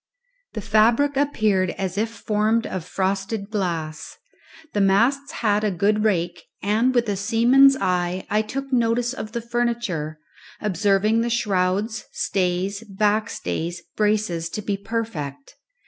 The fabric appeared as if formed of frosted glass. The masts had a good rake, and with a seaman's eye I took notice of the furniture, observing the shrouds, stays, backstays, braces to be perfect.